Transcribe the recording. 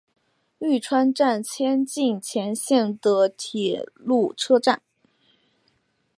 玉川站千日前线的铁路车站。